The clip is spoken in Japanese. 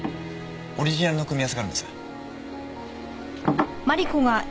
オリジナルの組み合わせがあるんです。